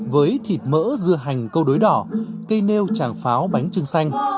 với thịt mỡ dưa hành câu đối đỏ cây nêu tràng pháo bánh trưng xanh